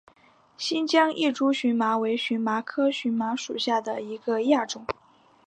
新疆异株荨麻为荨麻科荨麻属下的一个亚种。